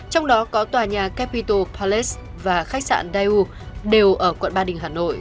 trong đó có tòa nhà capitol palace và khách sạn daewoo đều ở quận ba đình hà nội